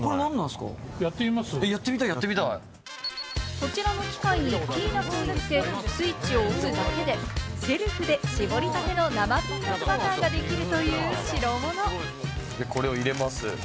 こちらの機械にピーナツを入れてスイッチを押すだけで、セルフで搾りたての生ピーナツバターができるという代物。